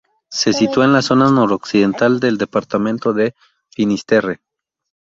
Se sitúa en la zona noroccidental del departamento de Finisterre.